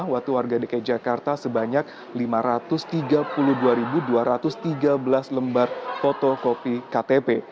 waktu warga dki jakarta sebanyak lima ratus tiga puluh dua dua ratus tiga belas lembar fotokopi ktp